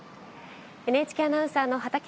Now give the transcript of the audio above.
ＮＨＫアナウンサーの畠山です。